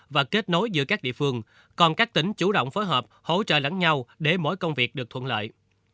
và kết nối giữa các địa phương còn các tỉnh chủ động phối hợp hỗ trợ lẫn nhau để mỗi công việc được thuận lợi